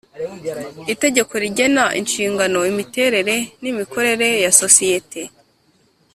Itegeko rigena inshingano imiterere n’imikorere ya sosiyete